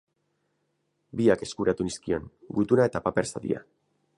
Biak eskuratu nizkion, gutuna eta paper-zatia.